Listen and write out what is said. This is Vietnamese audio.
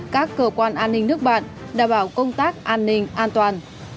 các cơ quan an ninh nước bạn đảm bảo công tác an ninh an toàn